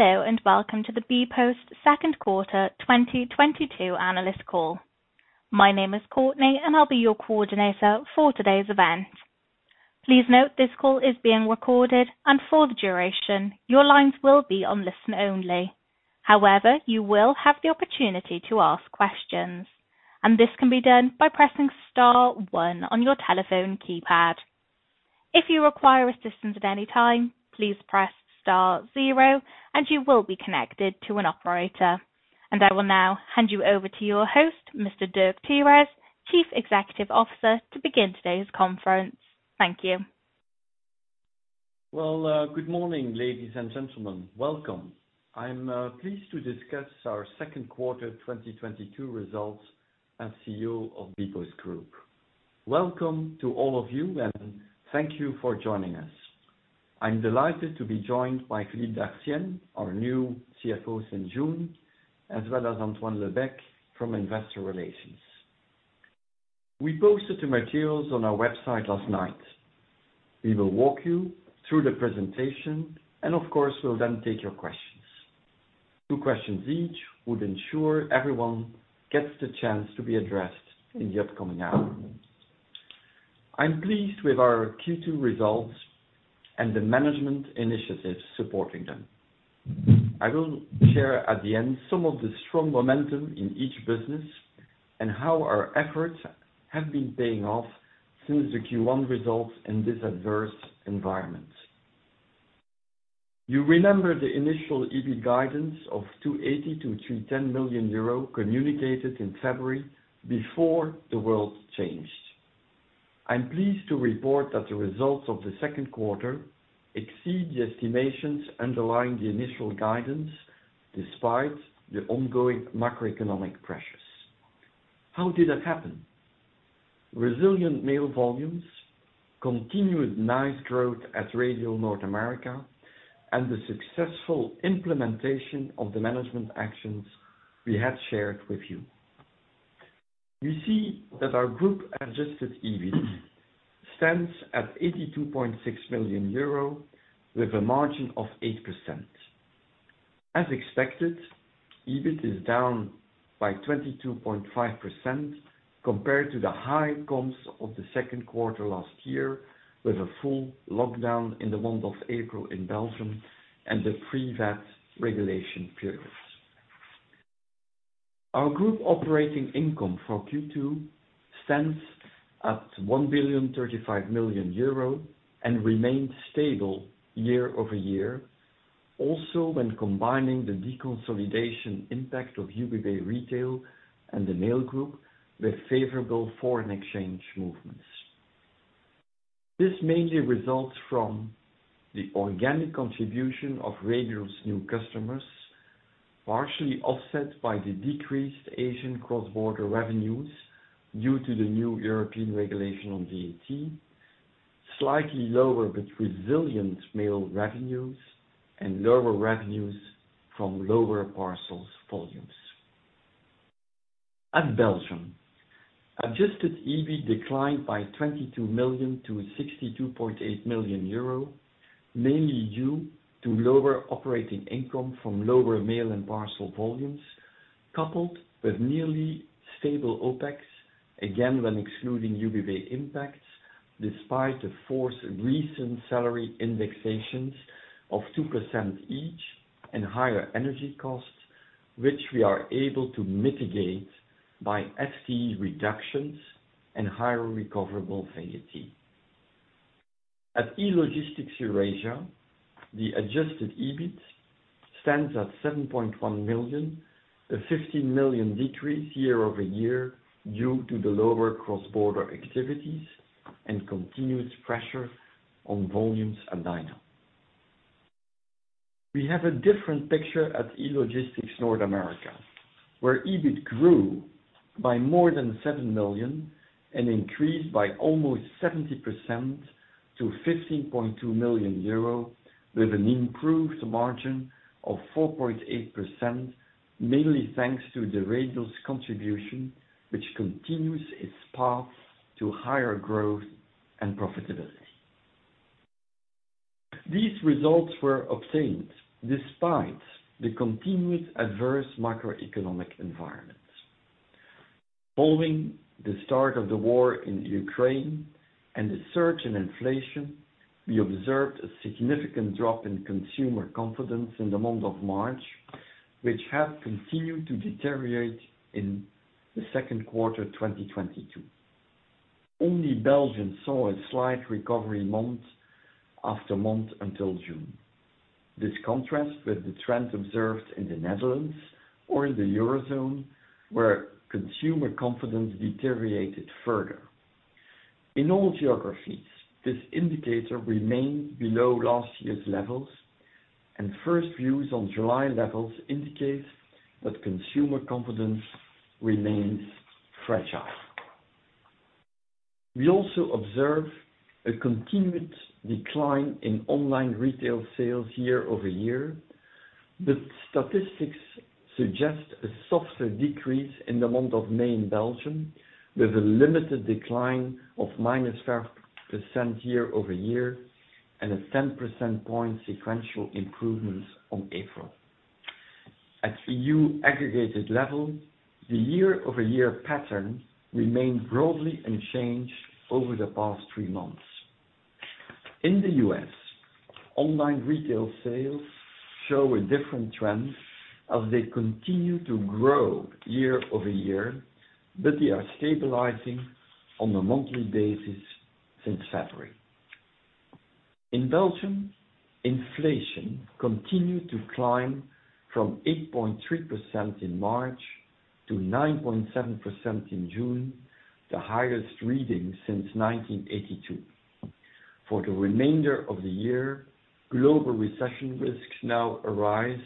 Hello and welcome to the bpost second quarter 2022 analyst call. My name is Courtney, and I'll be your coordinator for today's event. Please note this call is being recorded, and for the duration, your lines will be on listen only. However, you will have the opportunity to ask questions, and this can be done by pressing star one on your telephone keypad. If you require assistance at any time, please press star zero, and you will be connected to an operator. I will now hand you over to your host, Mr. Dirk Tirez, Chief Executive Officer, to begin today's conference. Thank you. Well, good morning, ladies and gentlemen. Welcome. I'm pleased to discuss our second quarter 2022 results as CEO of bpost Group. Welcome to all of you, and thank you for joining us. I'm delighted to be joined by Philippe Dartienne, our new CFO since June, as well as Antoine Lebecq from Investor Relations. We posted the materials on our website last night. We will walk you through the presentation, and of course, we'll then take your questions. Two questions each would ensure everyone gets the chance to be addressed in the upcoming hour. I'm pleased with our Q2 results and the management initiatives supporting them. I will share at the end some of the strong momentum in each business and how our efforts have been paying off since the Q1 results in this adverse environment. You remember the initial EBIT guidance of 280 million-310 million euro communicated in February before the world changed. I'm pleased to report that the results of the second quarter exceed the estimations underlying the initial guidance despite the ongoing macroeconomic pressures. How did that happen? Resilient mail volumes, continued nice growth at Radial North America, and the successful implementation of the management actions we had shared with you. You see that our group-adjusted EBIT stands at 82.6 million euro, with a margin of 8%. As expected, EBIT is down by 22.5% compared to the high comps of the second quarter last year with a full lockdown in the month of April in Belgium and the pre-VAT regulation periods. Our group operating income for Q2 stands at 1,035 million euro and remains stable year-over-year, also when combining the deconsolidation impact of UBI Retail and the Mail Group with favorable foreign exchange movements. This mainly results from the organic contribution of Radial's new customers, partially offset by the decreased Asian cross-border revenues due to the new European regulation on VAT, slightly lower but resilient mail revenues, and lower revenues from lower parcels volumes. At Belgium, adjusted EBIT declined by 22 million to 62.8 million euro, mainly due to lower operating income from lower mail and parcel volumes, coupled with nearly stable OPEX, again when excluding UBI impacts, despite the forced recent salary indexations of 2% each and higher energy costs, which we are able to mitigate by FTE reductions and higher recoverable VAT. At E-Logistics Eurasia, the adjusted EBIT stands at 7.1 million, a 15 million decrease year-over-year due to the lower cross-border activities and continued pressure on volumes and DynaGroup. We have a different picture at E-Logistics North America, where EBIT grew by more than 7 million and increased by almost 70% to 15.2 million euro with an improved margin of 4.8%, mainly thanks to the Radial contribution, which continues its path to higher growth and profitability. These results were obtained despite the continued adverse macroeconomic environment. Following the start of the war in Ukraine and the surge in inflation, we observed a significant drop in consumer confidence in the month of March, which has continued to deteriorate in the second quarter, 2022. Only Belgium saw a slight recovery month-over-month until June. This contrasts with the trends observed in the Netherlands or in the Eurozone, where consumer confidence deteriorated further. In all geographies, this indicator remained below last year's levels, and first views on July levels indicate that consumer confidence remains fragile. We also observe a continued decline in online retail sales year-over-year, but statistics suggest a softer decrease in the month of May in Belgium, with a limited decline of -5% year-over-year, and a 10 percentage point sequential improvement on April. At EU aggregated level, the year-over-year pattern remained broadly unchanged over the past three months. In the US, online retail sales show a different trend as they continue to grow year-over-year, but they are stabilizing on a monthly basis since February. In Belgium, inflation continued to climb from 8.3% in March to 9.7% in June, the highest reading since 1982. For the remainder of the year, global recession risks now arise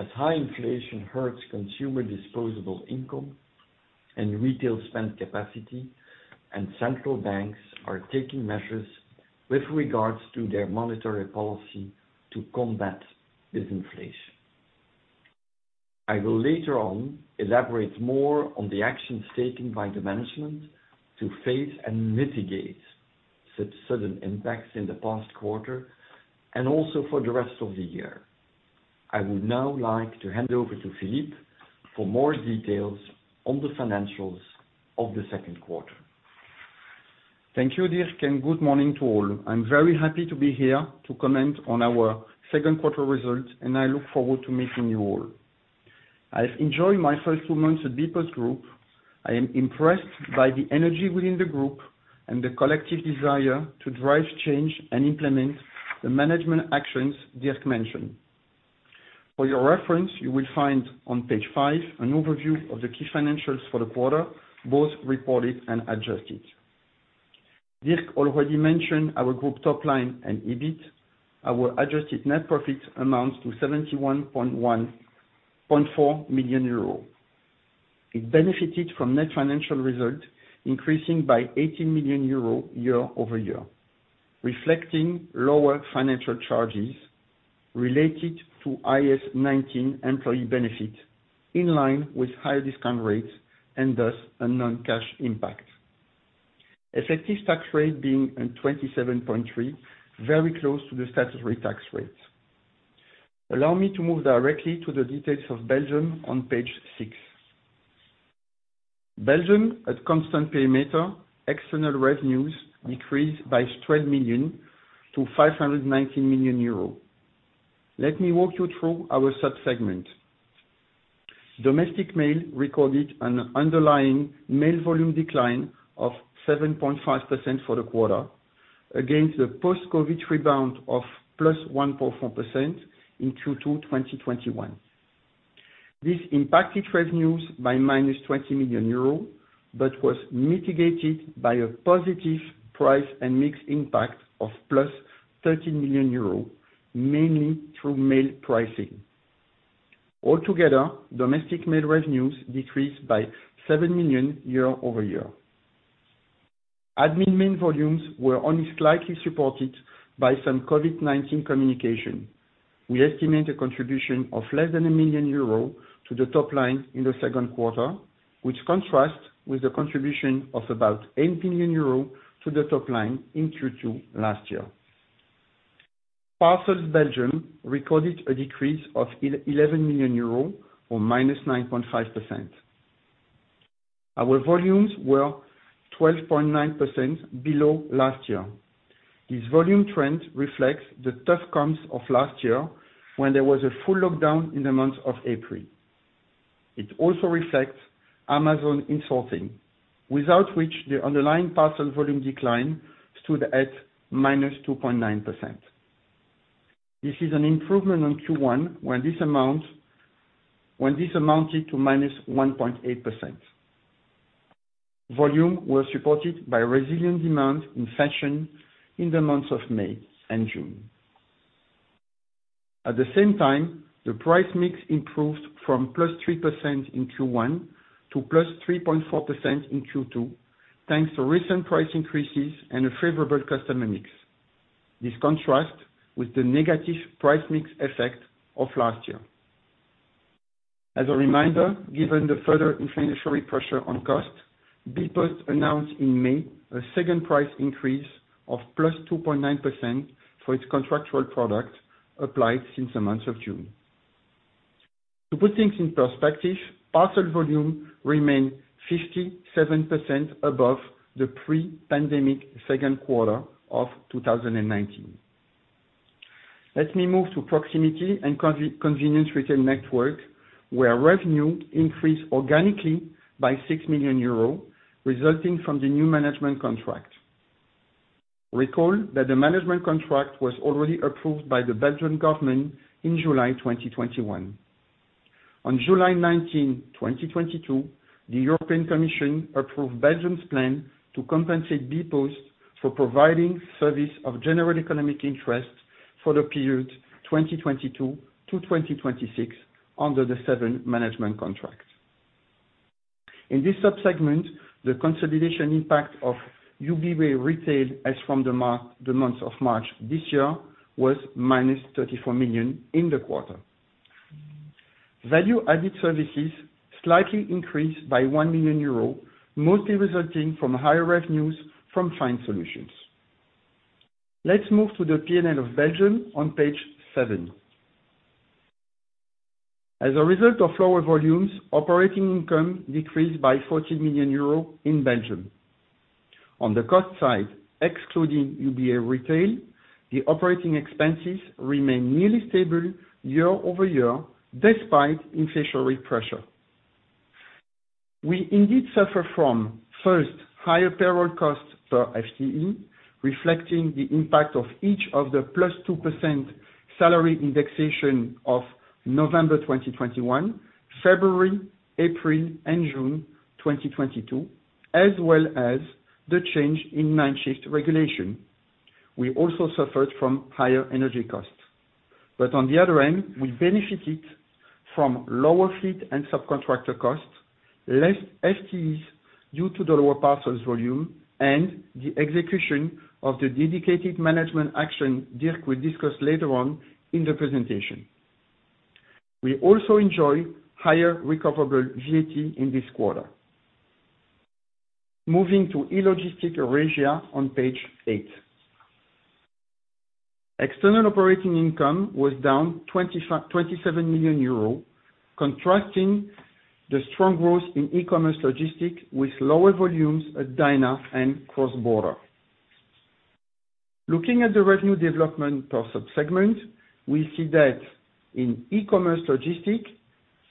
as high inflation hurts consumer disposable income and retail spend capacity, and central banks are taking measures with regards to their monetary policy to combat this inflation. I will later on elaborate more on the actions taken by the management to face and mitigate such an impact in the past quarter, and also for the rest of the year. I would now like to hand over to Philippe for more details on the financials of the second quarter. Thank you, Dirk, and good morning to all. I'm very happy to be here to comment on our second quarter results, and I look forward to meeting you all. I've enjoyed my first two months at bpost Group. I am impressed by the energy within the group and the collective desire to drive change and implement the management actions Dirk mentioned. For your reference, you will find on page five an overview of the key financials for the quarter, both reported and adjusted. Dirk already mentioned our group top line and EBIT. Our adjusted net profit amounts to 71.14 million euro. It benefited from net financial result, increasing by 80 million euro year-over-year, reflecting lower financial charges related to IAS 19 employee benefit, in line with higher discount rates and thus a non-cash impact. Effective tax rate being at 27.3%, very close to the statutory tax rate. Allow me to move directly to the details of Belgium on page six. Belgium, at constant perimeter, external revenues decreased by 12 million to 519 million euros. Let me walk you through our sub-segment. Domestic mail recorded an underlying mail volume decline of 7.5% for the quarter against the post-COVID rebound of +1.4% in Q2 2021. This impacted revenues by -20 million euros, but was mitigated by a positive price and mix impact of +13 million euro, mainly through mail pricing. Altogether, domestic mail revenues decreased by 7 million year-over-year. Admin mail volumes were only slightly supported by some COVID-19 communication. We estimate a contribution of less than 1 million euro to the top line in the second quarter, which contrasts with the contribution of about 8 million euro to the top line in Q2 last year. Parcels Belgium recorded a decrease of 11 million euros, or -9.5%. Our volumes were 12.9% below last year. This volume trend reflects the tough comps of last year when there was a full lockdown in the month of April. It also reflects Amazon insourcing, without which the underlying parcel volume decline stood at -2.9%. This is an improvement on Q1 when this amounted to -1.8%. Volume was supported by resilient demand in fashion in the months of May and June. At the same time, the price mix improved from +3% in Q1 to +3.4% in Q2, thanks to recent price increases and a favorable customer mix. This contrasts with the negative price mix effect of last year. As a reminder, given the further inflationary pressure on cost, bpost announced in May a second price increase of +2.9% for its contractual product applied since the month of June. To put things in perspective, parcel volume remained 57% above the pre-pandemic second quarter of 2019. Let me move to proximity and convenience retail network, where revenue increased organically by 6 million euros, resulting from the new management contract. Recall that the management contract was already approved by the Belgian government in July 2021. On July 19, 2022, the European Commission approved Belgium's plan to compensate bpost for providing service of general economic interest for the period 2022 to 2026 under the seven management contracts. In this subsegment, the consolidation impact of UBA Retail as from the month of March this year was -34 million in the quarter. Value-added services slightly increased by 1 million euros, mostly resulting from higher revenues from fine solutions. Let's move to the P&L of Belgium on page seven. As a result of lower volumes, operating income decreased by 40 million euros in Belgium. On the cost side, excluding UBA Retail, the operating expenses remain nearly stable year-over-year despite inflationary pressure. We indeed suffer from, first, higher payroll costs per FTE, reflecting the impact of each of the +2% salary indexation of November 2021, February, April, and June 2022, as well as the change in night shift regulation. We also suffered from higher energy costs. On the other end, we benefited from lower fleet and subcontractor costs, less FTEs due to the lower parcels volume, and the execution of the dedicated management action Dirk will discuss later on in the presentation. We also enjoy higher recoverable VAT in this quarter. Moving to E-Logistics Eurasia on page eight. External operating income was down 27 million euros, contrasting the strong growth in e-commerce logistic with lower volumes at Dyna and cross-border. Looking at the revenue development per subsegment, we see that in e-commerce logistics,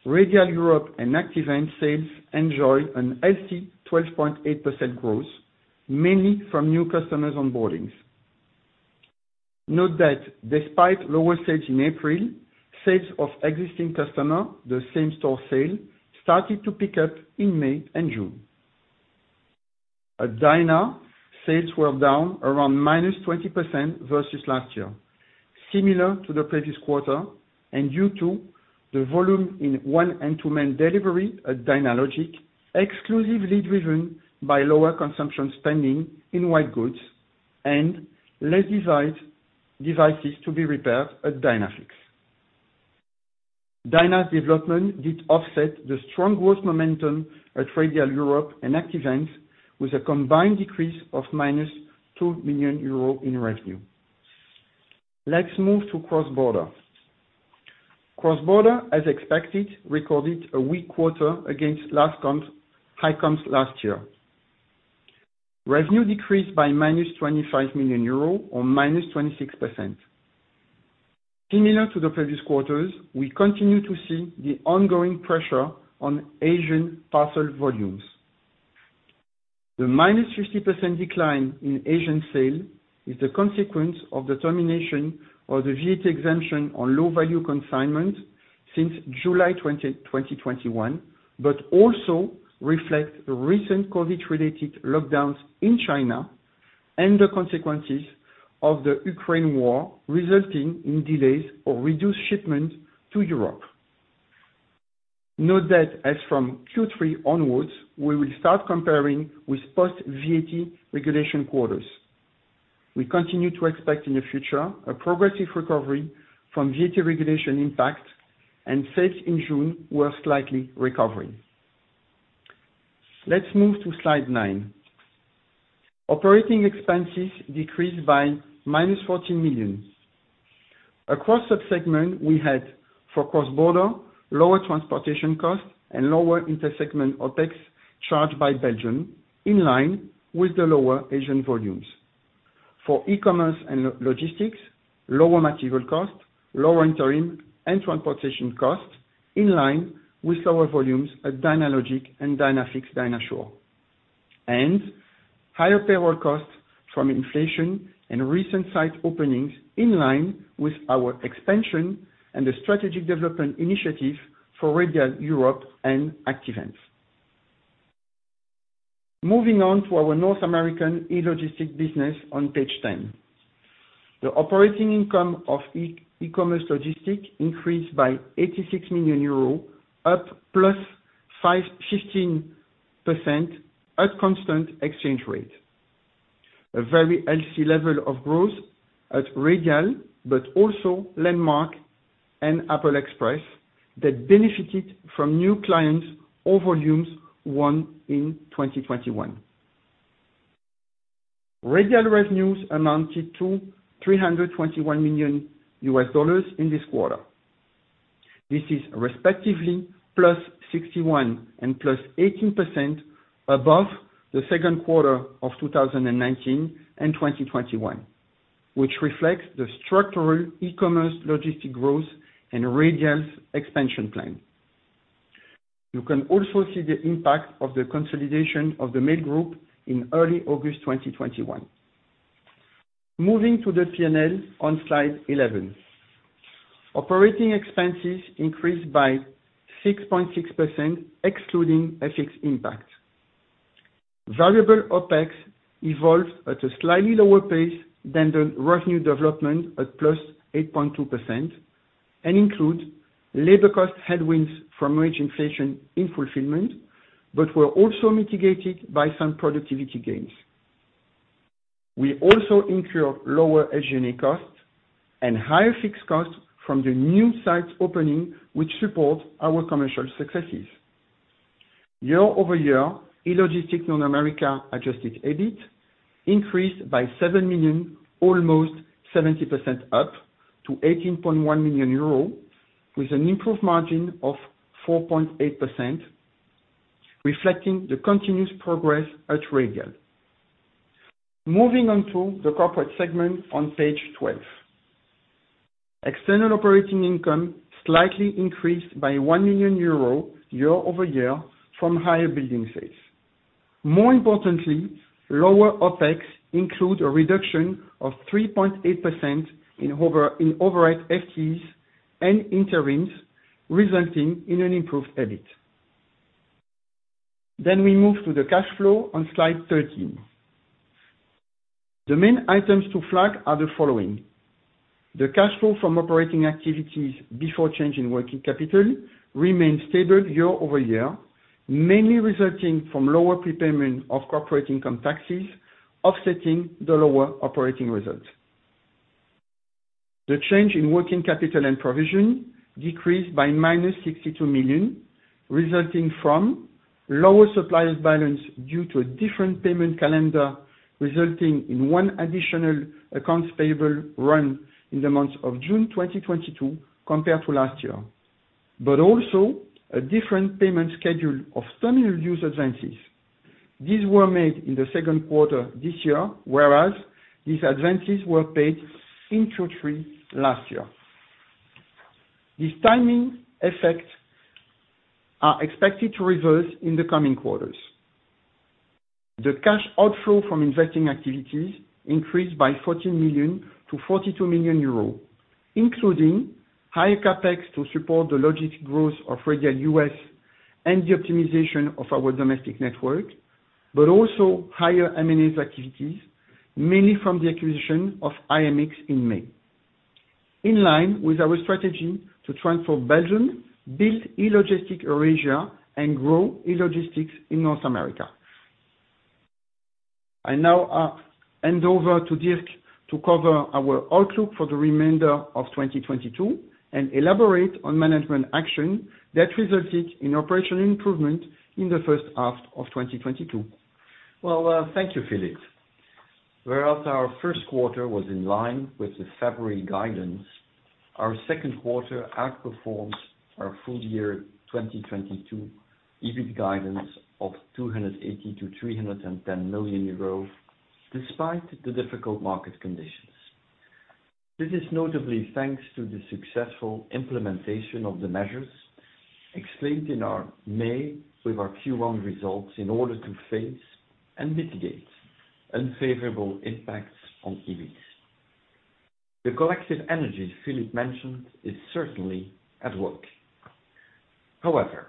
Radial Europe and Active Ants sales enjoy a healthy 12.8% growth, mainly from new customers onboardings. Note that despite lower sales in April, sales of existing customers, the same-store sales, started to pick up in May and June. At Dyna, sales were down around -20% versus last year, similar to the previous quarter and due to the volume in one- and two-man delivery at Dynalogic, exclusively driven by lower consumer spending in white goods and less devices to be repaired at Dynafix. Dyna development did offset the strong growth momentum at Radial Europe and Active Ants with a combined decrease of 2 million euro in revenue. Let's move to cross-border. Cross-border, as expected, recorded a weak quarter against last comp, high comps last year. Revenue decreased by -25 million euro or -26%. Similar to the previous quarters, we continue to see the ongoing pressure on Asian parcel volumes. The -50% decline in Asian sales is the consequence of the termination of the VAT exemption on low-value consignments since July 20, 2021, but also reflects the recent COVID-related lockdowns in China and the consequences of the Ukraine war, resulting in delays or reduced shipments to Europe. Note that as from Q3 onwards, we will start comparing with post-VAT regulation quarters. We continue to expect in the future a progressive recovery from VAT regulation impact, and sales in June were slightly recovering. Let's move to slide nine. Operating expenses decreased by -14 million. Across sub-segments, we had, for cross-border, lower transportation costs and lower inter-segment OpEx charged by Belgium in line with the lower Asian volumes. For e-commerce and logistics, lower material cost, lower interim, and transportation costs in line with lower volumes at Dynalogic and Dynafix, Dynasure. Higher payroll costs from inflation and recent site openings in line with our expansion and the strategic development initiative for Radial Europe and Active Ants. Moving on to our North American e-logistics business on page ten. The operating income of e-commerce logistics increased by 86 million euros, up 15% at constant exchange rate. A very healthy level of growth at Radial, but also Landmark and Apple Express that benefited from new clients or volumes won in 2021. Radial revenues amounted to $321 million in this quarter. This is respectively +61% and +18% above the second quarter of 2019 and 2021, which reflects the structural e-commerce logistic growth and Radial's expansion plan. You can also see the impact of the consolidation of the Mail Group in early August 2021. Moving to the P&L on slide 11. Operating expenses increased by 6.6% excluding FX impact. Variable OpEx evolved at a slightly lower pace than the revenue development at +8.2%, and include labor cost headwinds from wage inflation in fulfillment, but were also mitigated by some productivity gains. We also incurred lower SG&A costs and higher fixed costs from the new sites opening which support our commercial successes. Year-over-year, E-Logistics North America adjusted EBIT increased by 7 million, almost 70% up to 18.1 million euro, with an improved margin of 4.8%, reflecting the continuous progress at Radial. Moving on to the corporate segment on page 12. External operating income slightly increased by 1 million euro year-over-year from higher billing fees. More importantly, lower OpEx includes a reduction of 3.8% in overnight FTEs and interims, resulting in an improved EBIT. We move to the cash flow on slide 13. The main items to flag are the following. The cash flow from operating activities before change in working capital remained stable year-over-year, mainly resulting from lower prepayment of corporate income taxes offsetting the lower operating results. The change in working capital and provision decreased by -62 million, resulting from lower suppliers balance due to a different payment calendar, resulting in one additional accounts payable run in the month of June 2022 compared to last year. Also a different payment schedule of terminal use advances. These were made in the second quarter this year, whereas these advances were paid in Q3 last year. These timing effects are expected to reverse in the coming quarters. The cash outflow from investing activities increased by 14 million to 42 million euros, including higher CapEx to support the logistics growth of Radial U.S. and the optimization of our domestic network. Also higher M&A activities, mainly from the acquisition of IMX in May. In line with our strategy to transform Belgium, build E-Logistics Eurasia, and grow E-Logistics North America. I now hand over to Dirk to cover our outlook for the remainder of 2022 and elaborate on management action that resulted in operational improvement in the first half of 2022. Well, thank you, Philippe. Whereas our first quarter was in line with the February guidance, our second quarter outperforms our full year 2022 EBIT guidance of 280 million-310 million euros, despite the difficult market conditions. This is notably thanks to the successful implementation of the measures explained in our May with our Q1 results in order to face and mitigate unfavorable impacts on EBIT. The collective energy Philippe mentioned is certainly at work. However,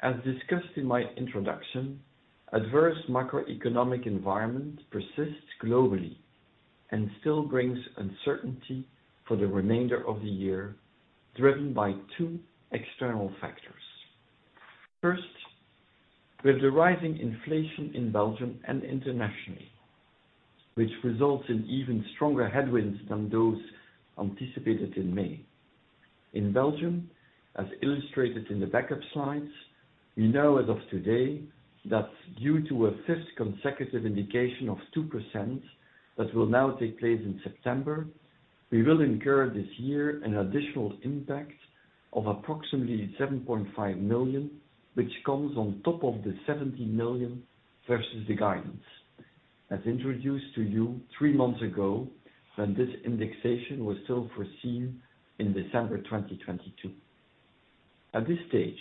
as discussed in my introduction, adverse macroeconomic environment persists globally and still brings uncertainty for the remainder of the year, driven by two external factors. First, with the rising inflation in Belgium and internationally, which results in even stronger headwinds than those anticipated in May. In Belgium, as illustrated in the backup slides, we know as of today that due to a fifth consecutive indexation of 2% that will now take place in September, we will incur this year an additional impact of approximately 7.5 million, which comes on top of the 70 million versus the guidance, as introduced to you three months ago when this indexation was still foreseen in December 2022. At this stage,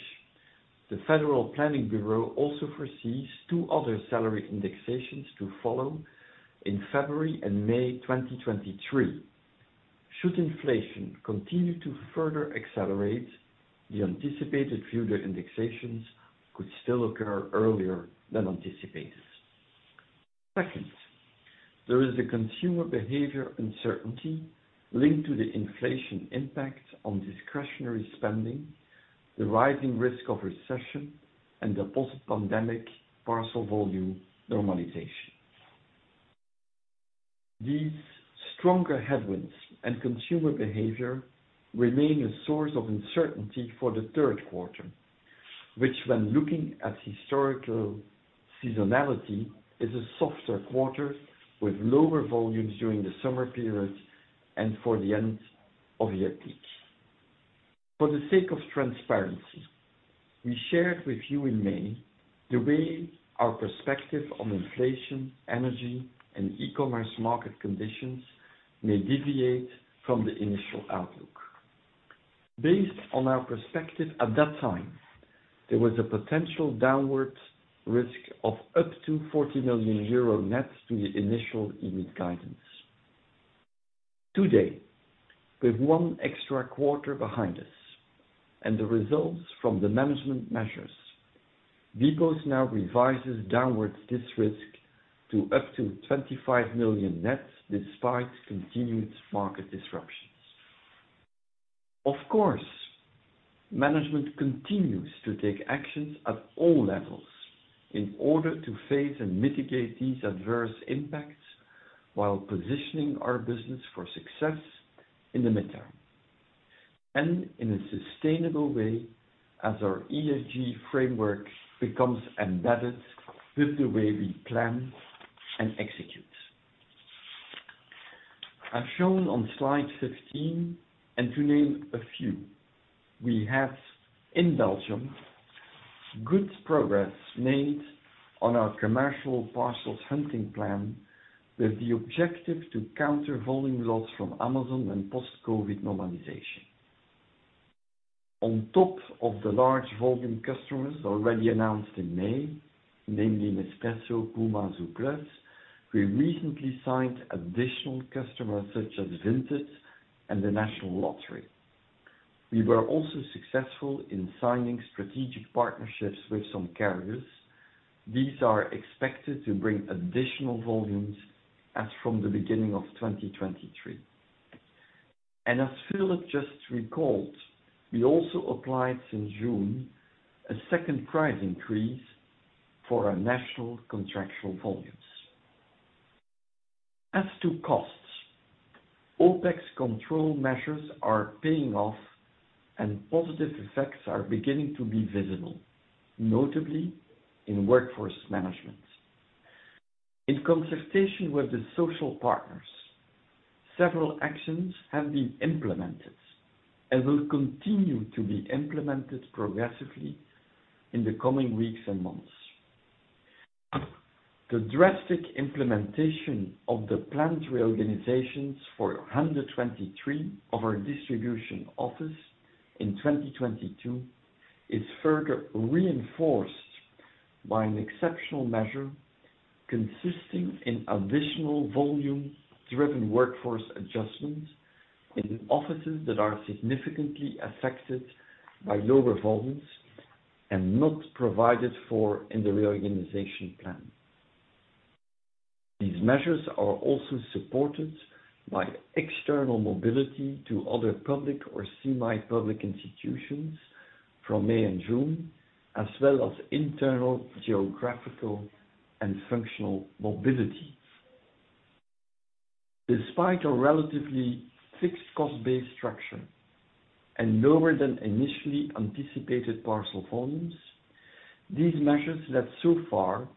the Federal Planning Bureau also foresees two other salary indexations to follow in February and May 2023. Should inflation continue to further accelerate, the anticipated further indexations could still occur earlier than anticipated. Second, there is the consumer behavior uncertainty linked to the inflation impact on discretionary spending, the rising risk of recession, and the post-pandemic parcel volume normalization. These stronger headwinds and consumer behavior remain a source of uncertainty for the third quarter, which when looking at historical seasonality, is a softer quarter with lower volumes during the summer period and for the end-of-year peak. For the sake of transparency, we shared with you in May the way our perspective on inflation, energy, and e-commerce market conditions may deviate from the initial outlook. Based on our perspective at that time, there was a potential downward risk of up to 40 million euro net to the initial EBIT guidance. Today, with one extra quarter behind us and the results from the management measures, bpost now revises downwards this risk to up to 25 million net, despite continued market disruptions. Of course, management continues to take actions at all levels in order to face and mitigate these adverse impacts while positioning our business for success in the midterm and in a sustainable way as our ESG framework becomes embedded with the way we plan and execute. As shown on slide 15, and to name a few, we have, in Belgium, good progress made on our commercial parcels hunting plan with the objective to counter volume loss from Amazon and post-COVID normalization. On top of the large volume customers already announced in May, namely Nespresso, Puma, zooplus, we recently signed additional customers such as Vinted and the National Lottery. We were also successful in signing strategic partnerships with some carriers. These are expected to bring additional volumes as from the beginning of 2023. As Philippe just recalled, we also applied since June a second price increase for our national contractual volumes. As to costs, OPEX control measures are paying off, and positive effects are beginning to be visible, notably in workforce management. In consultation with the social partners, several actions have been implemented and will continue to be implemented progressively in the coming weeks and months. The drastic implementation of the planned reorganizations for 123 of our distribution offices in 2022 is further reinforced by an exceptional measure consisting in additional volume-driven workforce adjustments in offices that are significantly affected by lower volumes and not provided for in the reorganization plan. These measures are also supported by external mobility to other public or semi-public institutions from May and June, as well as internal geographical and functional mobility. Despite a relatively fixed cost-based structure and lower than initially anticipated parcel volumes, these measures led so far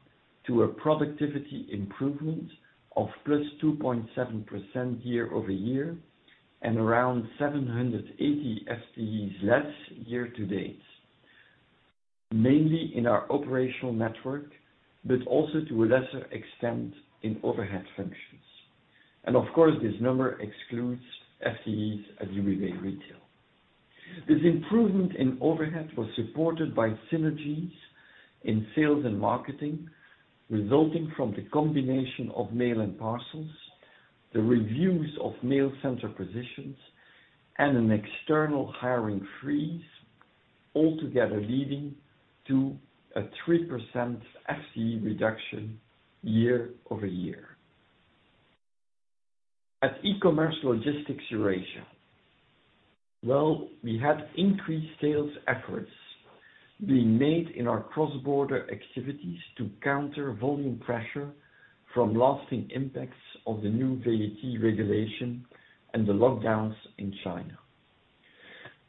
to a productivity improvement of +2.7% year-over-year and around 780 FTEs less year to date, mainly in our operational network, but also to a lesser extent in overhead functions. Of course, this number excludes FTEs at UBI Retail. This improvement in overhead was supported by synergies in sales and marketing, resulting from the combination of mail and parcels, the reviews of mail center positions, and an external hiring freeze, altogether leading to a 3% FTE reduction year-over-year. At E-Logistics Eurasia, well, we had increased sales efforts being made in our cross-border activities to counter volume pressure from lasting impacts of the new VAT regulation and the lockdowns in China.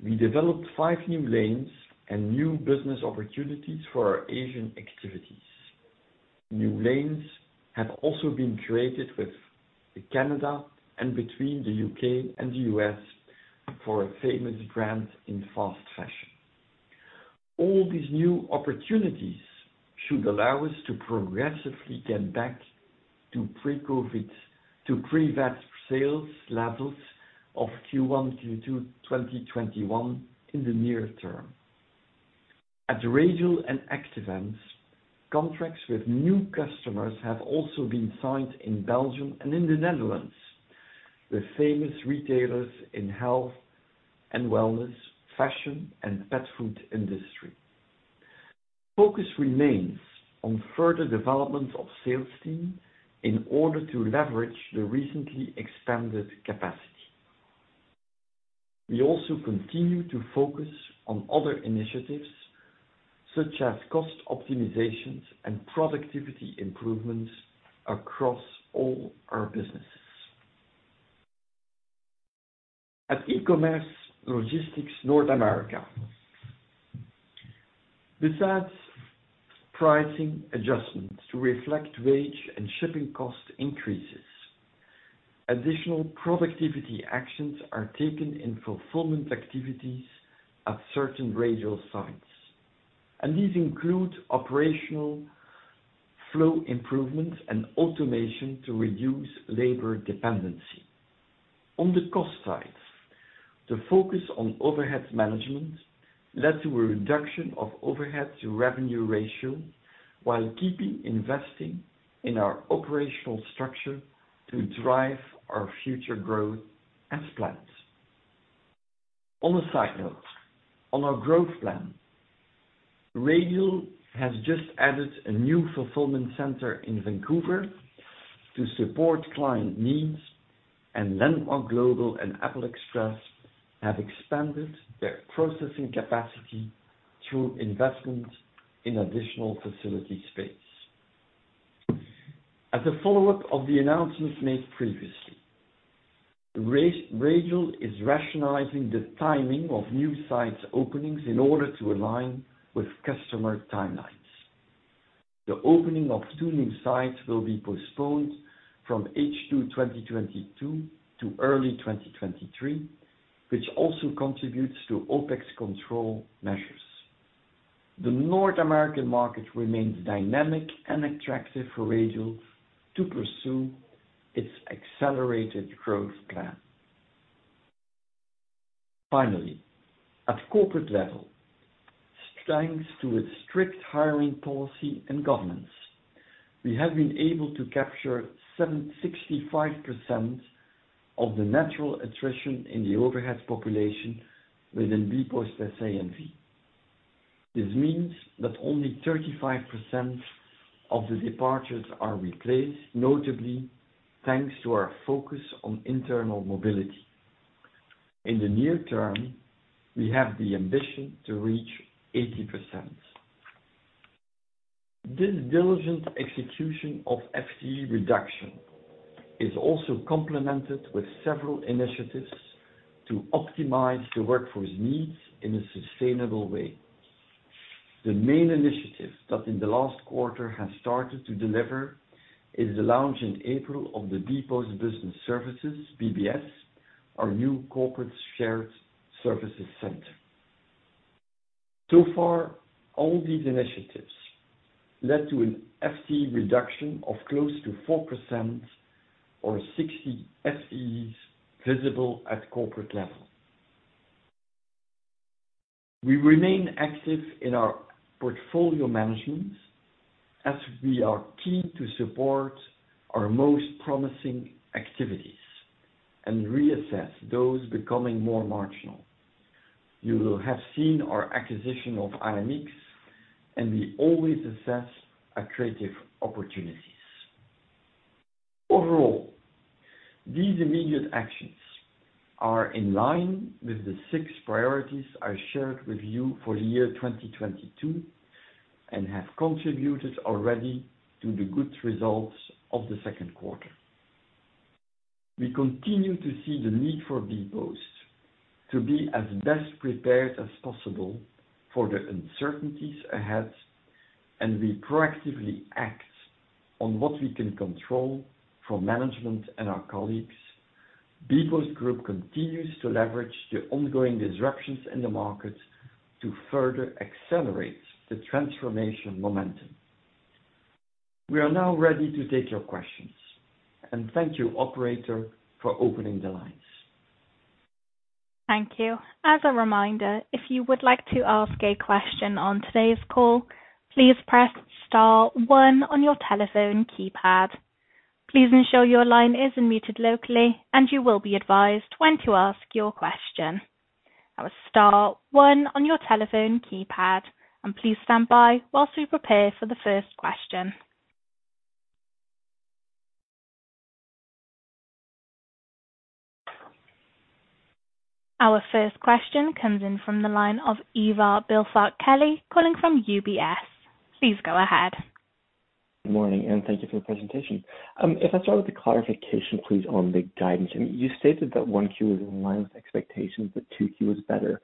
We developed five new lanes and new business opportunities for our Asian activities. New lanes have also been created with Canada and between the U.K. and the U.S. for a famous brand in fast fashion. All these new opportunities should allow us to progressively get back to pre-VAT sales levels of Q1, Q2, 2021 in the near term. At Radial and Active Ants, contracts with new customers have also been signed in Belgium and in the Netherlands with famous retailers in health and wellness, fashion, and pet food industry. Focus remains on further development of sales team in order to leverage the recently expanded capacity. We also continue to focus on other initiatives such as cost optimizations and productivity improvements across all our businesses. At E-Logistics North America, besides pricing adjustments to reflect wage and shipping cost increases, additional productivity actions are taken in fulfillment activities at certain Radial sites, and these include operational flow improvements and automation to reduce labor dependency. On the cost side, the focus on overhead management led to a reduction of overhead to revenue ratio while keeping investing in our operational structure to drive our future growth as planned. On a side note, on our growth plan, Radial has just added a new fulfillment center in Vancouver to support client needs, and Landmark Global and Apple Express have expanded their processing capacity through investment in additional facility space. As a follow-up of the announcements made previously, Radial is rationalizing the timing of new sites openings in order to align with customer timelines. The opening of two new sites will be postponed from H2 2022 to early 2023, which also contributes to OpEx control measures. The North American market remains dynamic and attractive for Radial to pursue its accelerated growth plan. Finally, at corporate level, thanks to its strict hiring policy and governance, we have been able to capture 65% of the natural attrition in the overhead population within bpost SA/NV. This means that only 35% of the departures are replaced, notably thanks to our focus on internal mobility. In the near term, we have the ambition to reach 80%. This diligent execution of FTE reduction is also complemented with several initiatives to optimize the workforce needs in a sustainable way. The main initiative that in the last quarter has started to deliver is the launch in April of the bpost Business Solutions, BBS, our new corporate shared services center. Far, all these initiatives led to an FTE reduction of close to 4% or 60 FTEs visible at corporate level. We remain active in our portfolio managements as we are keen to support our most promising activities and reassess those becoming more marginal. You will have seen our acquisition of IMX, and we always assess accretive opportunities. Overall, these immediate actions are in line with the six priorities I shared with you for the year 2022 and have contributed already to the good results of the second quarter. We continue to see the need for bpost to be as best prepared as possible for the uncertainties ahead, and we proactively act on what we can control from management and our colleagues. bpost Group continues to leverage the ongoing disruptions in the market to further accelerate the transformation momentum. We are now ready to take your questions. Thank you, operator, for opening the lines. Thank you. As a reminder, if you would like to ask a question on today's call, please press star one on your telephone keypad. Please ensure your line is unmuted locally, and you will be advised when to ask your question. That was star one on your telephone keypad, and please stand by while we prepare for the first question. Our first question comes in from the line of Ivar Billfalk-Kelly calling from UBS. Please go ahead. Good morning, and thank you for your presentation. If I start with the clarification, please, on the guidance. You stated that 1Q is in line with expectations, but 2Q is better.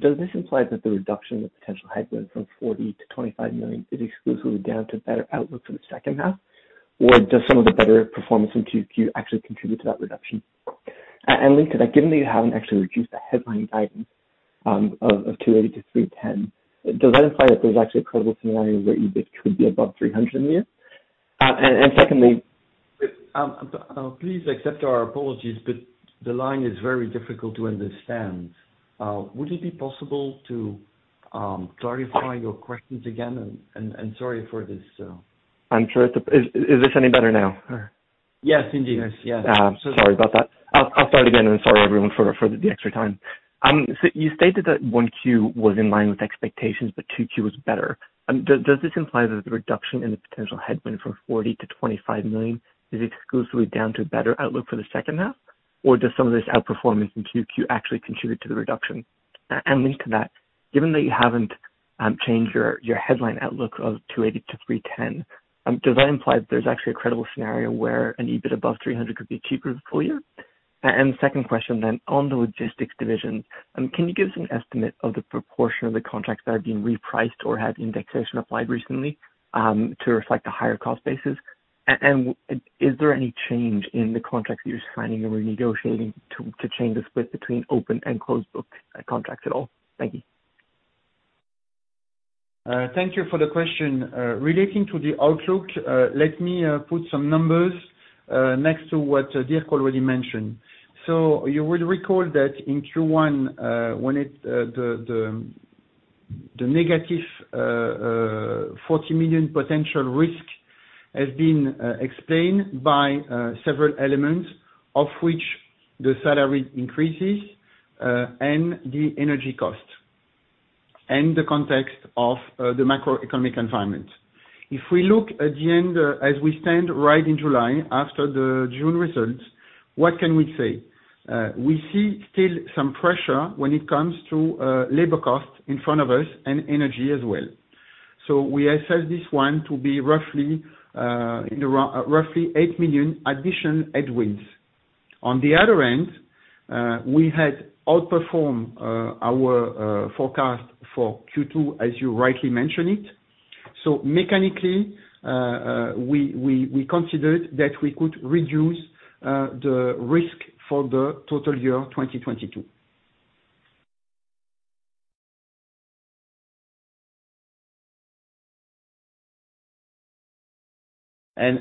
Does this imply that the reduction of potential headwind from 40 million to 25 million is exclusively down to better outlook for the second half? Or does some of the better performance in 2Q actually contribute to that reduction? Linked to that, given that you haven't actually reduced the headline guidance of 280 million to 310 million, does that imply that there's actually a credible scenario where EBIT could be above 300 million a year? Secondly- Please accept our apologies, but the line is very difficult to understand. Would it be possible to clarify your questions again? Sorry for this. Is this any better now? Yes, indeed. Yes. Sorry about that. I'll start again and sorry everyone for the extra time. So you stated that 1Q was in line with expectations, but 2Q was better. Does this imply that the reduction in the potential headwind from 40 million-25 million is exclusively down to better outlook for the second half? Or does some of this outperformance in 2Q actually contribute to the reduction? And linked to that, given that you haven't changed your headline outlook of 280-310, does that imply that there's actually a credible scenario where an EBIT above 300 could be achieved for the full year? The second question then, on the logistics division, can you give us an estimate of the proportion of the contracts that have been repriced or had indexation applied recently, to reflect the higher cost basis? Is there any change in the contracts that you're signing or renegotiating to change the split between open and closed book contracts at all? Thank you. Thank you for the question. Relating to the outlook, let me put some numbers next to what Dirk already mentioned. You will recall that in Q1, the negative 40 million potential risk has been explained by several elements, of which the salary increases and the energy costs and the context of the macroeconomic environment. If we look at the end, as we stand right in July after the June results, what can we say? We see still some pressure when it comes to labor costs in front of us and energy as well. We assess this one to be roughly in a roughly 8 million additional headwinds. On the other end, we had outperformed our forecast for Q2, as you rightly mentioned it. Mechanically, we considered that we could reduce the risk for the total year 2022.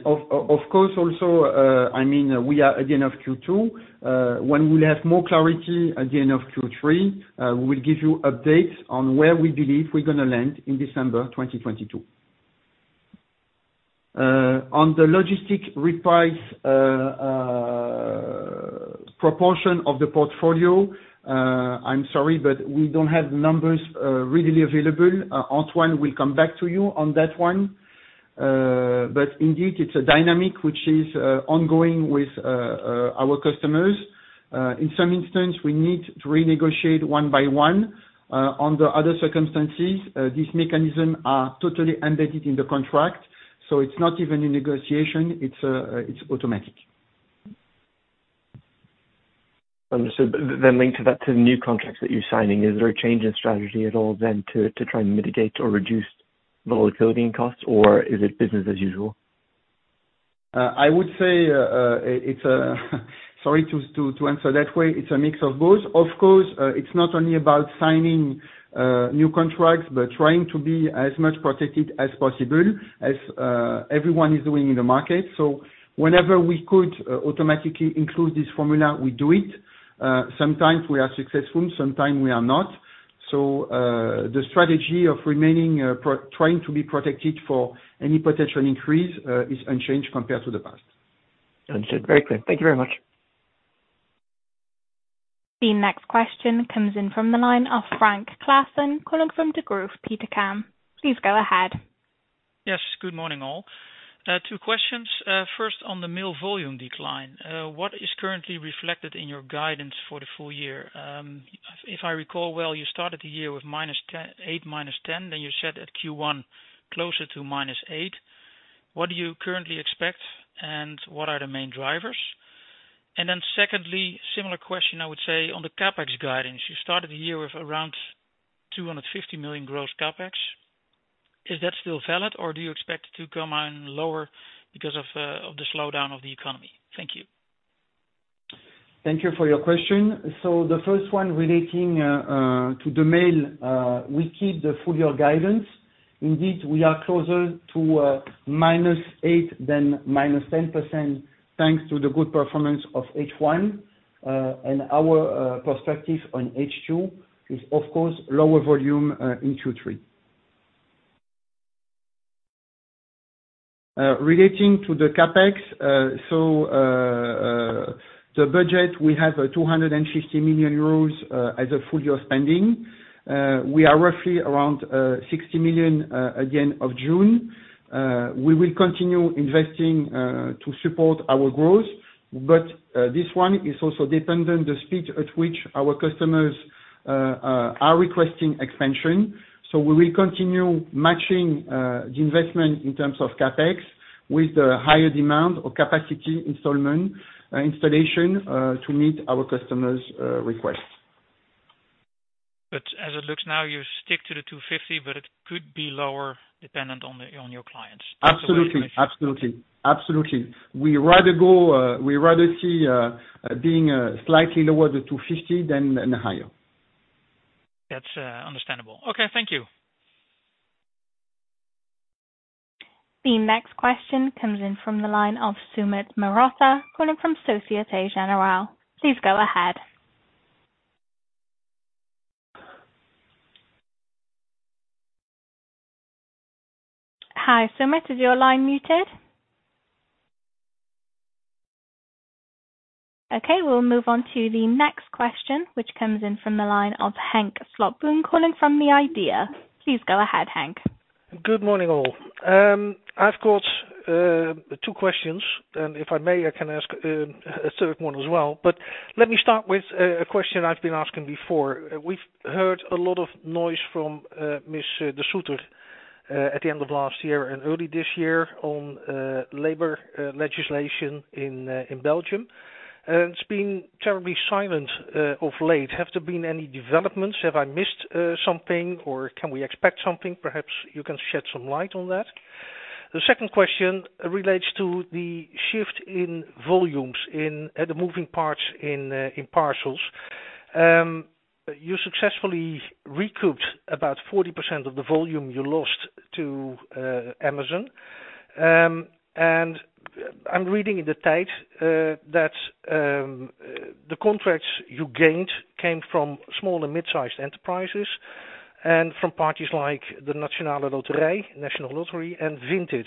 Of course, also, I mean, we are at the end of Q2, when we'll have more clarity at the end of Q3, we will give you updates on where we believe we're gonna land in December 2022. On the logistics repricing proportion of the portfolio, I'm sorry, but we don't have numbers readily available. Antoine will come back to you on that one. But indeed, it's a dynamic which is ongoing with our customers. In some instance, we need to renegotiate one by one. On the other circumstances, this mechanism are totally embedded in the contract, so it's not even a negotiation, it's automatic. Understood. Linked to that, to the new contracts that you're signing, is there a change in strategy at all then to try and mitigate or reduce volatility in costs? Or is it business as usual? I would say, sorry to answer that way, it's a mix of both. Of course, it's not only about signing new contracts, but trying to be as much protected as possible as everyone is doing in the market. Whenever we could automatically include this formula, we do it. Sometimes we are successful, sometimes we are not. The strategy of trying to be protected for any potential increase is unchanged compared to the past. Understood. Very clear. Thank you very much. The next question comes in from the line of Frank Claassen, calling from Degroof Petercam. Please go ahead. Yes, good morning, all. Two questions. First on the mail volume decline. What is currently reflected in your guidance for the full year? If I recall well, you started the year with -8% to -10%, then you said at Q1 closer to -8%. What do you currently expect, and what are the main drivers? Secondly, similar question, I would say on the CapEx guidance. You started the year with around 250 million gross CapEx. Is that still valid, or do you expect to come in lower because of the slowdown of the economy? Thank you. Thank you for your question. The first one relating to the mail, we keep the full year guidance. Indeed, we are closer to -8% than -10%, thanks to the good performance of H1. Our perspective on H2 is of course lower volume in Q3. Relating to the CapEx, the budget, we have 250 million euros as a full year spending. We are roughly around 60 million at the end of June. We will continue investing to support our growth. This one is also dependent the speed at which our customers are requesting expansion. We will continue matching the investment in terms of CapEx with the higher demand or capacity installation to meet our customers' request. As it looks now, you stick to the 250, but it could be lower dependent on your clients. Absolutely. We rather see being slightly lower, the 250, than higher. That's understandable. Okay, thank you. The next question comes in from the line of Sumit Mehrotra, calling from Société Générale. Please go ahead. Hi, Sumit. Is your line muted? Okay, we'll move on to the next question, which comes in from the line of Henk Slotboom, calling from The IDEA!. Please go ahead, Henk. Good morning, all. I've got two questions, and if I may, I can ask a third one as well. Let me start with a question I've been asking before. We've heard a lot of noise from Ms. De Sutter at the end of last year and early this year on labor legislation in Belgium. It's been terribly silent of late. Have there been any developments? Have I missed something, or can we expect something? Perhaps you can shed some light on that. The second question relates to the shift in volumes in the moving parts in parcels. You successfully recouped about 40% of the volume you lost to Amazon. I'm reading in The Tide that the contracts you gained came from small and mid-sized enterprises and from parties like the Nationale Loterij, National Lottery, and Vinted.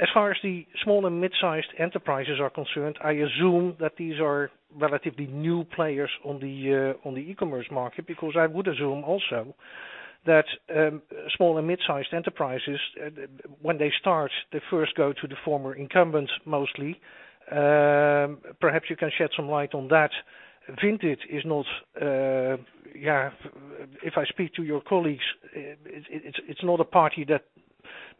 As far as the small and mid-sized enterprises are concerned, I assume that these are relatively new players on the e-commerce market, because I would assume also that small and mid-sized enterprises, when they start, they first go to the former incumbents mostly. Perhaps you can shed some light on that. Vinted is not, if I speak to your colleagues, it's not a party that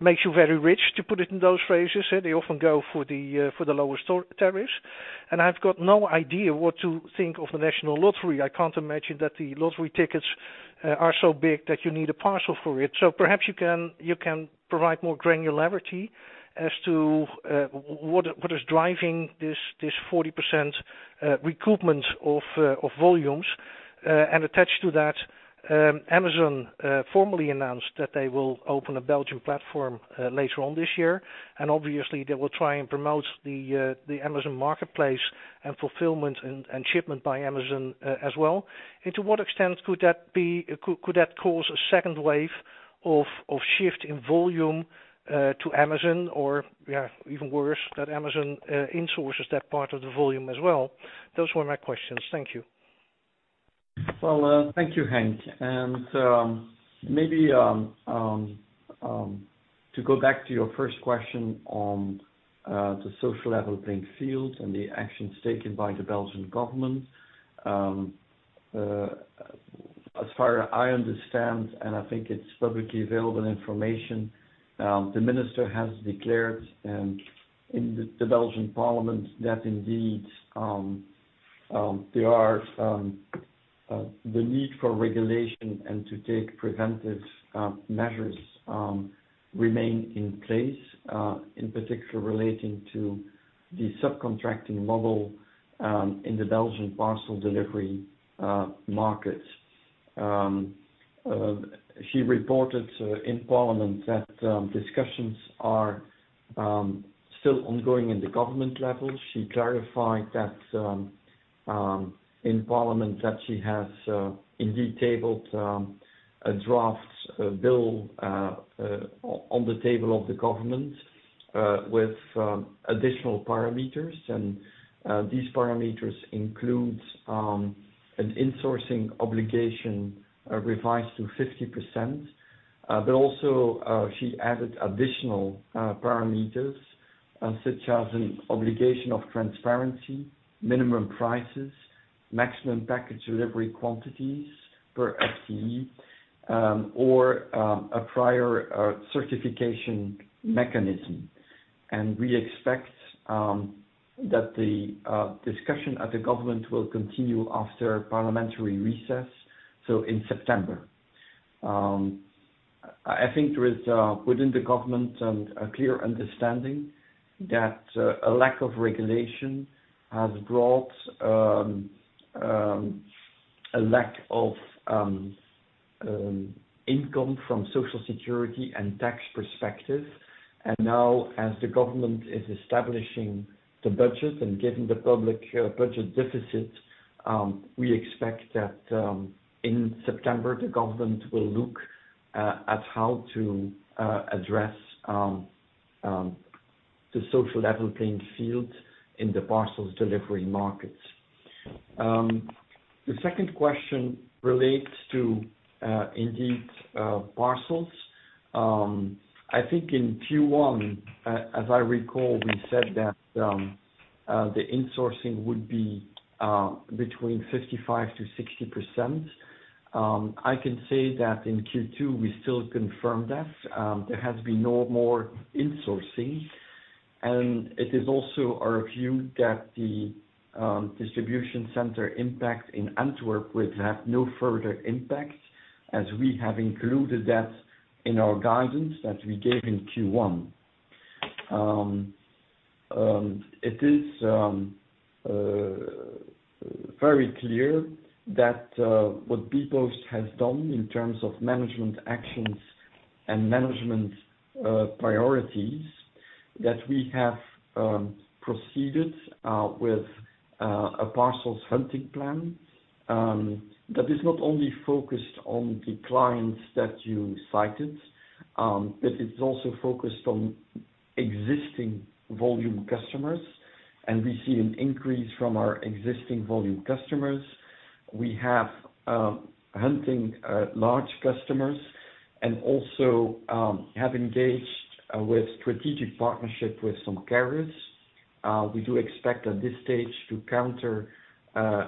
makes you very rich, to put it in those phrases, they often go for the lowest tariff. I've got no idea what to think of the National Lottery. I can't imagine that the lottery tickets are so big that you need a parcel for it. Perhaps you can provide more granularity as to what is driving this 40% recoupment of volumes. Attached to that, Amazon formally announced that they will open a Belgian platform later on this year. Obviously, they will try and promote the Amazon Marketplace and fulfillment and shipment by Amazon as well. To what extent could that cause a second wave of shift in volume to Amazon, or yeah, even worse, that Amazon insources that part of the volume as well? Those were my questions. Thank you. Well, thank you, Henk. Maybe to go back to your first question on the social level playing field and the actions taken by the Belgian government. As far as I understand, and I think it's publicly available information, the minister has declared, and in the Belgian parliament that indeed, there are the need for regulation and to take preventive measures remain in place, in particular relating to the subcontracting model, in the Belgian parcel delivery market. She reported in parliament that discussions are still ongoing in the government level. She clarified that in parliament that she has indeed tabled a draft bill on the table of the government with additional parameters. These parameters includes an insourcing obligation revised to 50%. She added additional parameters such as an obligation of transparency, minimum prices, maximum package delivery quantities per FTE or a prior certification mechanism. We expect that the discussion at the government will continue after parliamentary recess, so in September. I think there is within the government a clear understanding that a lack of regulation has brought a lack of income from Social Security and tax perspective. Now, as the government is establishing the budget and given the public budget deficit, we expect that in September, the government will look at how to address the social level playing field in the parcels delivery markets. The second question relates to, indeed, parcels. I think in Q1, as I recall, we said that the insourcing would be between 55%-60%. I can say that in Q2, we still confirm that there has been no more insourcing, and it is also our view that the distribution center impact in Antwerp will have no further impact, as we have included that in our guidance that we gave in Q1. It is very clear that what bpost has done in terms of management actions and management priorities, that we have proceeded with a parcels hunting plan that is not only focused on the clients that you cited, but it's also focused on existing volume customers. We see an increase from our existing volume customers. We have hunting large customers and also have engaged with strategic partnership with some carriers. We do expect at this stage to counter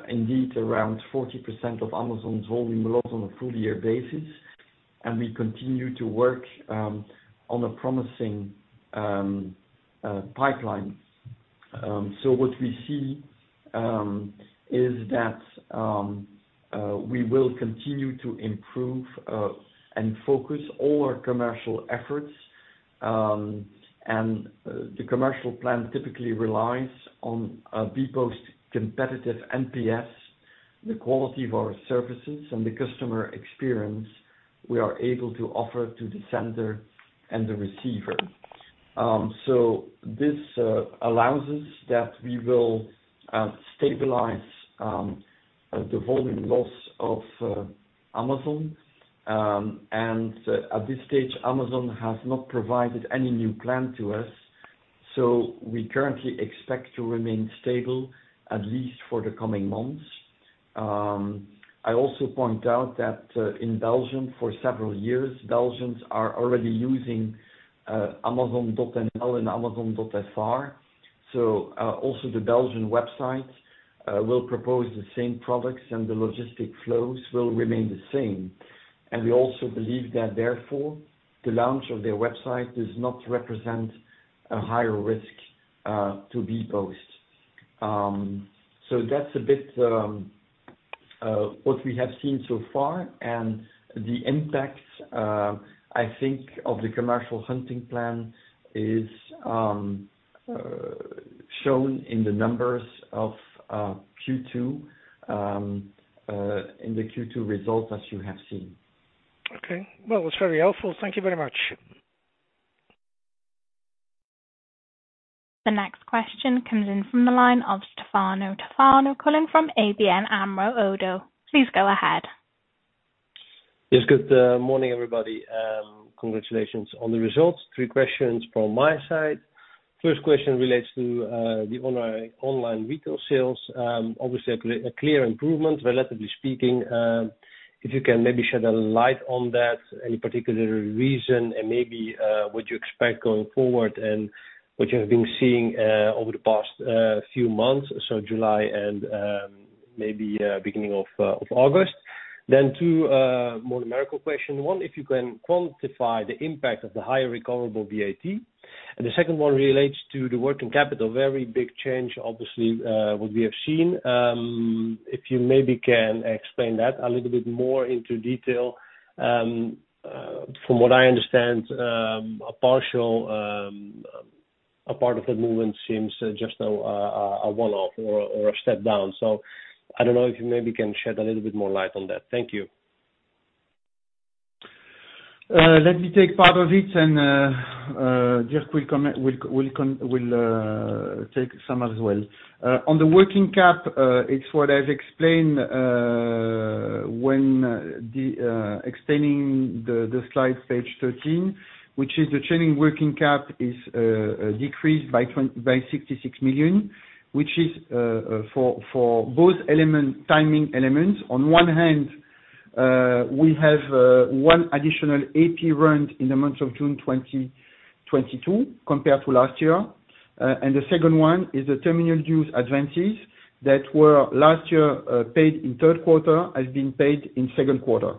indeed around 40% of Amazon's volume loss on a full-year basis. We continue to work on a promising pipeline. What we see is that we will continue to improve and focus all our commercial efforts and the commercial plan typically relies on bpost's competitive NPS, the quality of our services and the customer experience we are able to offer to the sender and the receiver. This allows us that we will stabilize the volume loss of Amazon. At this stage, Amazon has not provided any new plan to us, so we currently expect to remain stable, at least for the coming months. I also point out that in Belgium, for several years, Belgians are already using Amazon.nl and Amazon.fr. Also the Belgian website will propose the same products and the logistic flows will remain the same. We also believe that therefore, the launch of their website does not represent a higher risk to bpost. That's a bit what we have seen so far and the impact, I think, of the commercial hunting plan is shown in the numbers of Q2 in the Q2 result as you have seen. Okay. Well, it's very helpful. Thank you very much. The next question comes in from the line of Stefano Toffano, calling from ABN AMRO - ODDO. Please go ahead. Yes, good morning, everybody. Congratulations on the results. Three questions from my side. First question relates to the online retail sales. Obviously a clear improvement, relatively speaking. If you can maybe shed a light on that, any particular reason and maybe what you expect going forward and what you have been seeing over the past few months, so July and maybe beginning of August. Two more numerical question. One, if you can quantify the impact of the higher recoverable VAT. And the second one relates to the working capital. Very big change, obviously, what we have seen. If you maybe can explain that a little bit more into detail. From what I understand, a part of the movement seems just a one-off or a step down. I don't know if you maybe can shed a little bit more light on that. Thank you. Let me take part of it and Dirk will come and take some as well. On the working cap, it's what I've explained when extending the slide page 13, which is the changing working cap is decreased by 66 million, which is for both element, timing elements. On one hand, we have one additional AP run in the month of June 2022 compared to last year. The second one is the terminal dues advances that were last year paid in third quarter has been paid in second quarter.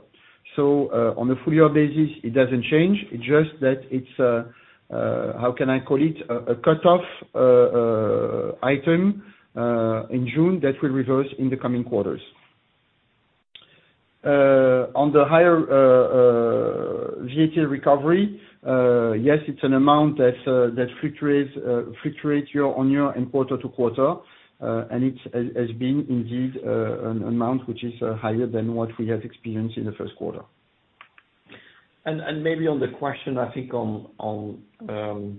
On a full year basis, it doesn't change. It's just that it's how can I call it? A cutoff item in June that will reverse in the coming quarters. On the higher VAT recovery, yes, it's an amount that fluctuates year on year and quarter to quarter. It has been indeed an amount which is higher than what we have experienced in the first quarter. Maybe on the question, I think on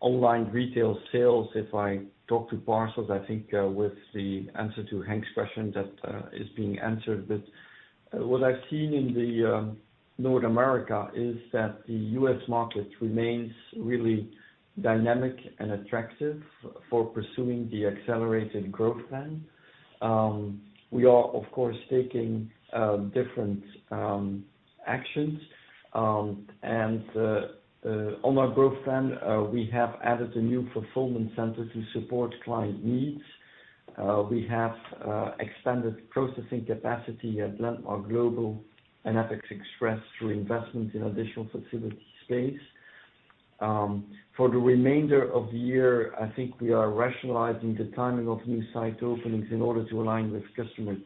online retail sales, if I talk to parcels, I think with the answer to Henk's question that is being answered. What I've seen in North America is that the U.S. market remains really dynamic and attractive for pursuing the accelerated growth plan. We are, of course, taking different actions. On our growth plan, we have added a new fulfillment center to support client needs. We have expanded processing capacity at Landmark Global and Apple Express through investment in additional facility space. For the remainder of the year, I think we are rationalizing the timing of new site openings in order to align with customer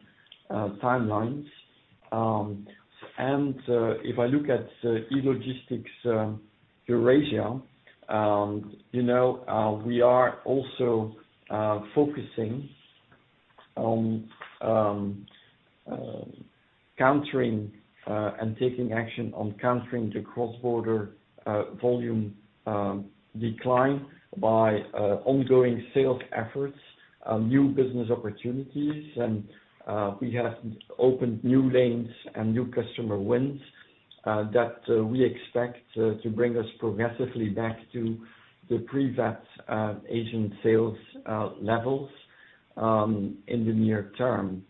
timelines. If I look at E-Logistics Eurasia, you know, we are also focusing on countering and taking action on countering the cross-border volume decline by ongoing sales efforts, new business opportunities. We have opened new lanes and new customer wins that we expect to bring us progressively back to the pre-VAT Asian sales levels in the near term.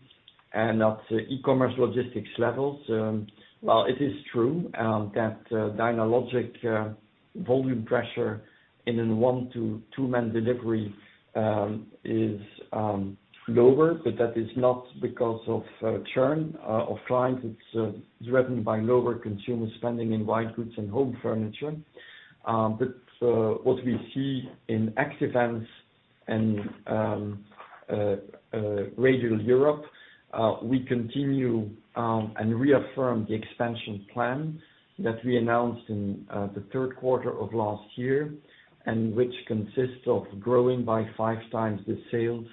At the e-commerce logistics levels, while it is true that Dynalogic volume pressure in a one- to two-man delivery is lower, but that is not because of churn of clients. It's driven by lower consumer spending in white goods and home furniture. What we see in Active Ants and Radial Europe, we continue and reaffirm the expansion plan that we announced in the third quarter of last year, and which consists of growing by five times the sales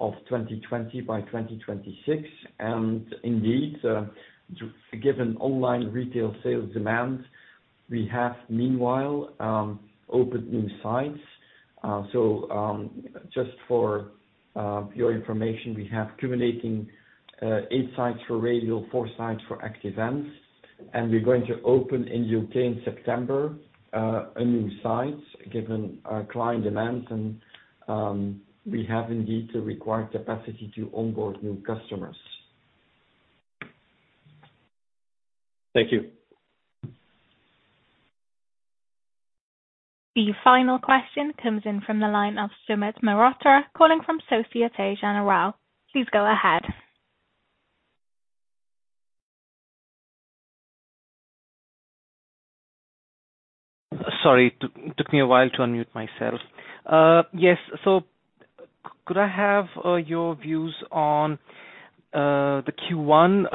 of 2020 by 2026. Indeed, given online retail sales demands, we have meanwhile opened new sites. Just for your information, we have accumulating eight sites for Radial, four sites for Active Ants, and we're going to open in UK in September a new site given our client demands and we have indeed the required capacity to onboard new customers. Thank you. The final question comes in from the line of Sumit Mehrotra, calling from Société Générale. Please go ahead. Sorry, took me a while to unmute myself. Could I have your views on the Q1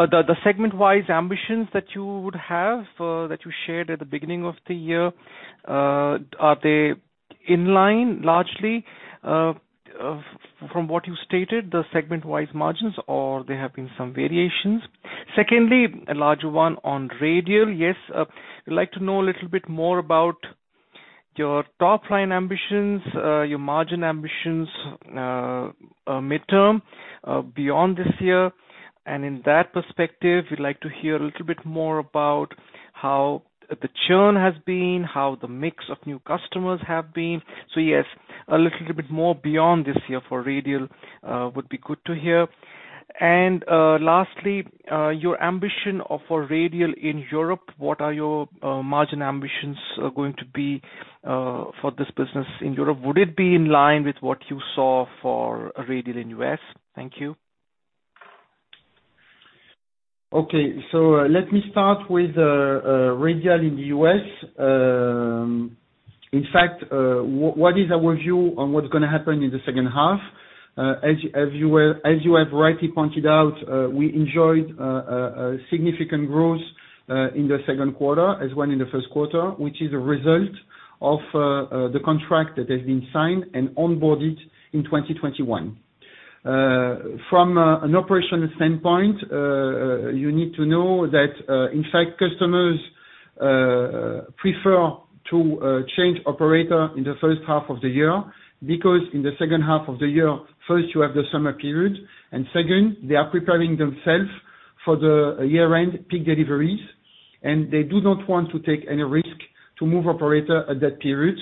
segment-wise ambitions that you would have that you shared at the beginning of the year? Are they in line largely from what you stated, the segment-wise margins, or there have been some variations? Secondly, a larger one on Radial. I'd like to know a little bit more about your top line ambitions, your margin ambitions midterm, beyond this year. In that perspective, we'd like to hear a little bit more about how the churn has been, how the mix of new customers have been. Yes, a little bit more beyond this year for Radial would be good to hear. Lastly, your ambition of a Radial in Europe, what are your margin ambitions going to be for this business in Europe? Would it be in line with what you saw for Radial in U.S.? Thank you. Okay. Let me start with Radial in the U.S.. In fact, what is our view on what's gonna happen in the second half? As you have rightly pointed out, we enjoyed significant growth in the second quarter as well in the first quarter, which is a result of the contract that has been signed and onboarded in 2021. From an operational standpoint, you need to know that, in fact, customers prefer to change operator in the first half of the year because in the second half of the year, first you have the summer period, and second, they are preparing themselves for the year-end peak deliveries. They do not want to take any risk to move operator at that period.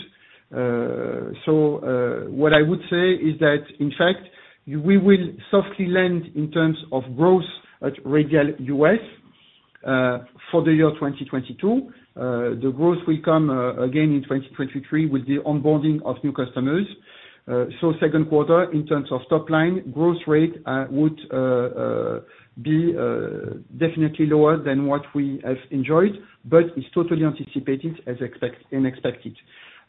What I would say is that in fact, we will softly land in terms of growth at Radial U.S. for the year 2022. The growth will come again in 2023 with the onboarding of new customers. Second quarter, in terms of top line, growth rate, would be definitely lower than what we have enjoyed, but it's totally anticipated as expected, unexpected.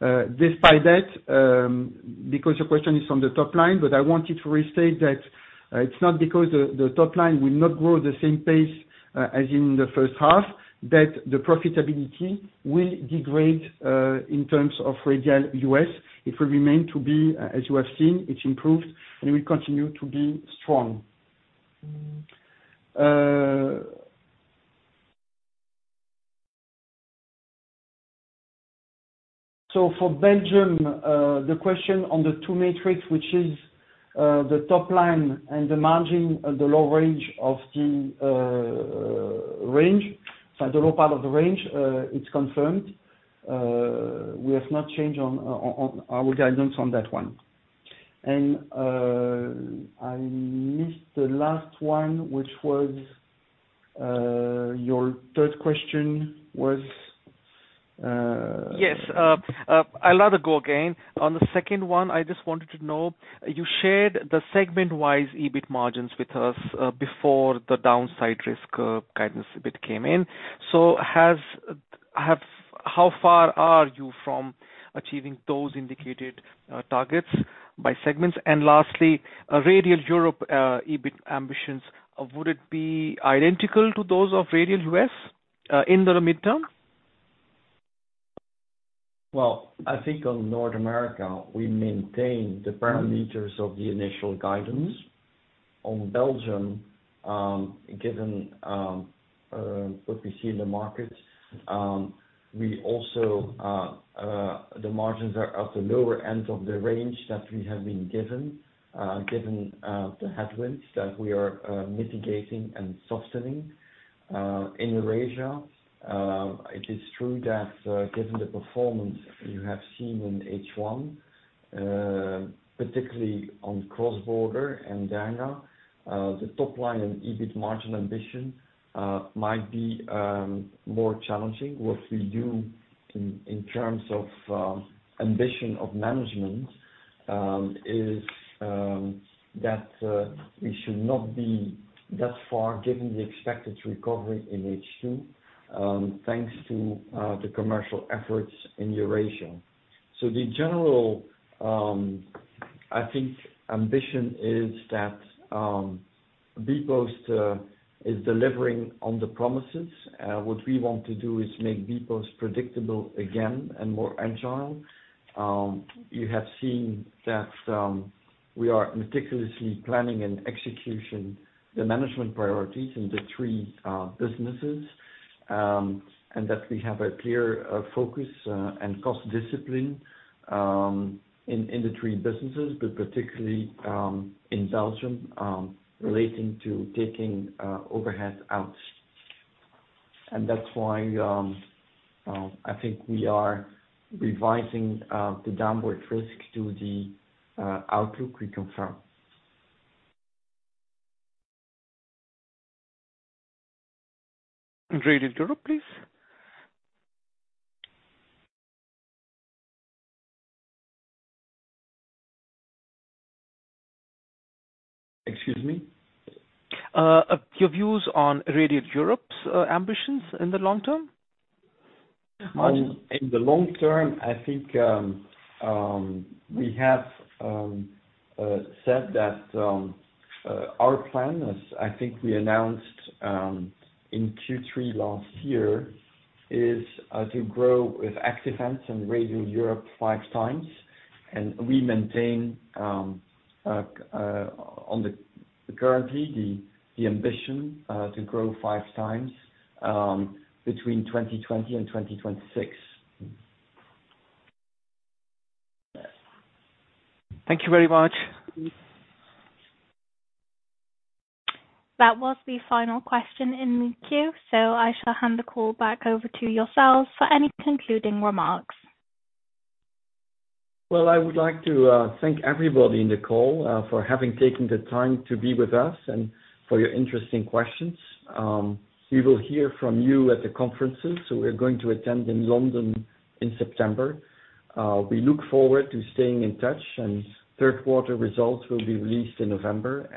Despite that, because your question is on the top line, but I wanted to restate that, it's not because the top line will not grow the same pace as in the first half, that the profitability will degrade in terms of Radial U.S.. It will remain to be, as you have seen, it's improved, and will continue to be strong. For Belgium, the question on the two metrics, which is the top line and the margin at the low range of the range. The low part of the range, it's confirmed. We have not changed on our guidance on that one. I missed the last one, which was your third question was. Yes. I'll let it go again. On the second one, I just wanted to know you shared the segment-wise EBIT margins with us before the downside risk guidance a bit came in. How far are you from achieving those indicated targets by segments? Lastly, Radial Europe EBIT ambitions, would it be identical to those of Radial U.S. in the midterm? Well, I think on North America, we maintain the parameters of the initial guidance. On Belgium, given what we see in the market, we also the margins are at the lower end of the range that we have been given the headwinds that we are mitigating and softening. In Eurasia, it is true that, given the performance you have seen in H1, particularly on cross-border and Dyna, the top line and EBIT margin ambition might be more challenging. What we do in terms of ambition of management is that we should not be that far given the expected recovery in H2, thanks to the commercial efforts in Eurasia. The general, I think ambition is that bpost is delivering on the promises. What we want to do is make bpost predictable again and more agile. You have seen that we are meticulously planning and execution the management priorities in the three businesses, and that we have a clear focus and cost discipline in the three businesses, but particularly in Belgium, relating to taking overheads out. That's why I think we are revising the downward risk to the outlook we confirm. Radial Europe, please. Excuse me? Your views on Radial Europe's ambitions in the long term? In the long term, I think we have said that our plan is, I think we announced in Q3 last year, to grow with Active Ants and Radial Europe five times. We maintain the current ambition to grow five times between 2020 and 2026. Thank you very much. That was the final question in the queue, so I shall hand the call back over to yourselves for any concluding remarks. Well, I would like to thank everybody in the call for having taken the time to be with us and for your interesting questions. We will hear from you at the conferences, so we're going to attend in London in September. We look forward to staying in touch, and third quarter results will be released in November.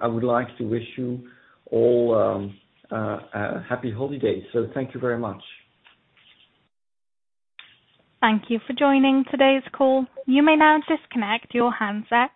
I would like to wish you all a happy holiday. Thank you very much. Thank you for joining today's call. You may now disconnect your handset.